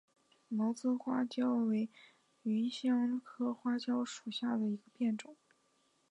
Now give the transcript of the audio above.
毛刺花椒为芸香科花椒属下的一个变种。